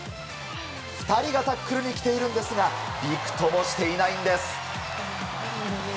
２人がタックルに来ているんですがびくともしていないんです。